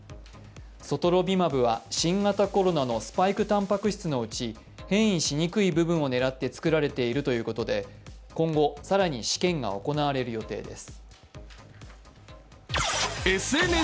ソトロビマブは新型コロナのスパイクたんぱく質のうち変異しにくい部分を狙って作られているということで今後、更に試験が行われる予定です